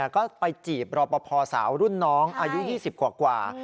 ก็ไปจีบรอปภสาวรุ่นน้องอายุ๒๐กว่า